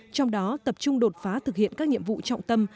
trong đó tập trung đột phá thực hiện các nhiệm vụ trọng tâm